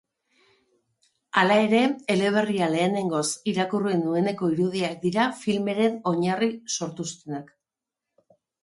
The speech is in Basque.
Hala ere, eleberria lehenengoz irakurri nueneko irudiak dira filmaren oinarria sortu dutenak.